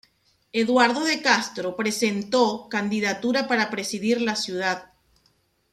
Eduardo de Castro presentó candidatura para presidir la ciudad.